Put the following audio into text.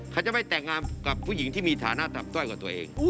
เขาจะไม่แต่งงานกับผู้หญิงที่มีฐานะตับจ้อยกว่าตัวเอง